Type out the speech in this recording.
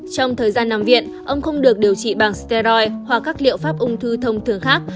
trong thời gian nằm viện ông không được điều trị bằng stery hoặc các liệu pháp ung thư thông thường khác